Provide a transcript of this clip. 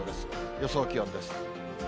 予想気温です。